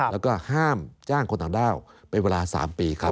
แล้วก็ห้ามจ้างคนต่างด้าวเป็นเวลา๓ปีครับ